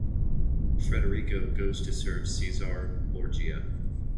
Federico goes to serve Cesare Borgia.